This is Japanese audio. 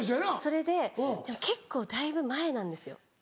それで結構だいぶ前なんですよ。